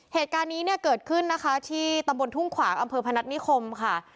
เหตุการณ์นี้เนี่ยเกิดขึ้นนะคะที่ตำบลทุ่งขวางอำเภอพนัฐนิคมค่ะ